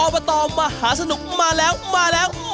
อบตมหาสนุกมาแล้วมาแล้วมาแล้ว